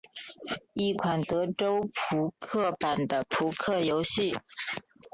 一款德州扑克版的扑克游戏。